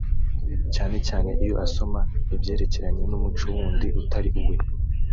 cyane cyane iyo asoma ibyerekeranye n’umuco wundi utari uwe